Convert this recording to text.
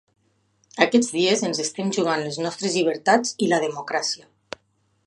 Aquests dies ens estem jugant les nostres llibertats i la democràcia.